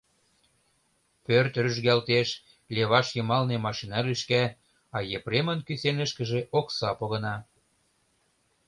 Пӧрт рӱжгалтеш, леваш йымалне машина лӱшка, а Епремын кӱсенышкыже окса погына.